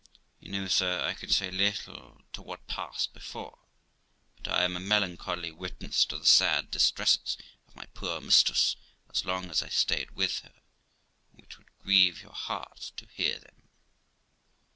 Amy. You know, sir, I can say little to what passed before, but I am a melancholy witness to the sad distresses of my poor mistress as long as I stayed with her, and which would grieve your heart to hear them.